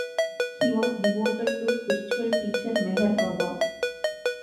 He was devoted to spiritual teacher Meher Baba.